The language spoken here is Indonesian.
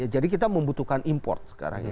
jadi kita membutuhkan import sekarang